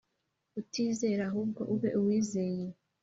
utizera ahubwo ube uwizeye